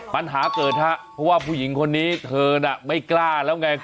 ปัญหาเกิดครับเพราะว่าผู้หญิงคนนี้เธอน่ะไม่กล้าแล้วไง